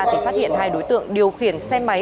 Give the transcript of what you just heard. thì phát hiện hai đối tượng điều khiển xe máy